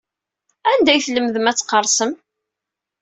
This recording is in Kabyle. Anda ay tlemdem ad tqersem?